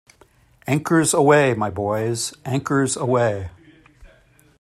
Anchors Aweigh, my boys, Anchors Aweigh.